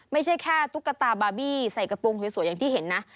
ไม่ใช่แค่ตุ๊กตาบาร์บี้ใส่กระโปรงสวยอย่างที่เห็นนะ